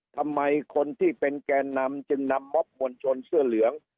ทำไมคนที่เป็นแกนนำจึงนำม็อบมวลชนเสื้อเหลือง